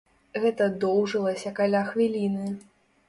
Гэта доўжылася каля хвіліны.